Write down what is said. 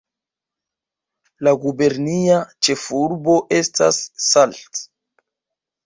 La gubernia ĉefurbo estas Salt.